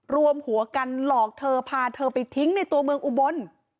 รวมหัวกันหลอกเธอพาเธอไปทิ้งในตัวเมืองอุบล